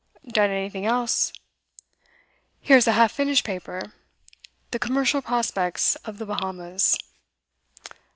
'Done anything else?' 'Here's a half finished paper "The Commercial Prospects of the Bahamas."